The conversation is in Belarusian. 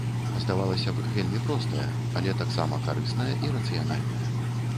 Здавалася б, вельмі простая, але таксама карысная і рацыянальная.